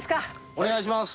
お願いします。